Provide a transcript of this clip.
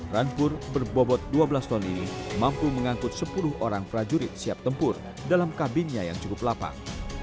rampur berbobot dua belas ton ini mampu mengangkut sepuluh orang prajurit siap tempur dalam kabinnya yang cukup lapang